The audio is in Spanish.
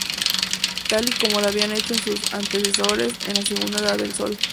Tal y como lo habían hecho sus antecesores en la Segunda Edad del Sol.